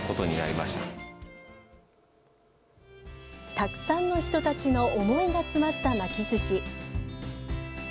たくさんの人たちの思いが詰まった巻きずし。